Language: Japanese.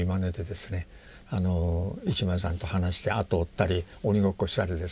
一枚さんと話して後を追ったり鬼ごっこしたりですね。